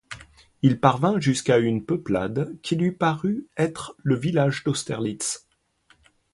Il parvint jusqu'à une peuplade qui lui parut être le village d'Austerlitz.